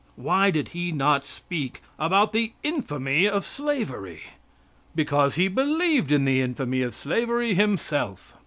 Why did he not speak about the infamy of slavery? Because he believed in the infamy of slavery himself.